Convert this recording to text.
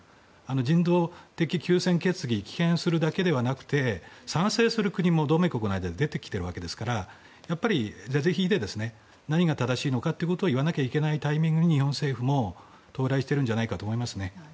人道的休戦決議を棄権するだけではなくて賛成する国も同盟国の間でも出てきているわけですから是々非々で何が正しいのか言わなきゃいけないタイミングに日本政府も到来しているのではないかと思いますね。